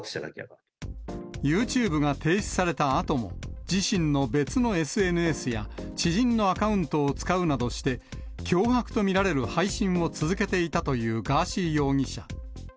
ユーチューブが停止されたあとも、自身の別のＳＮＳや知人のアカウントを使うなどして、脅迫と見られる配信を続けていたと見られるガーシー容疑者。